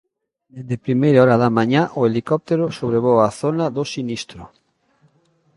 Dende primeira hora da mañá, o helicóptero sobrevoa a zona do sinistro.